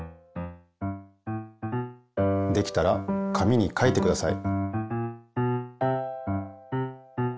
できたら紙に書いてください。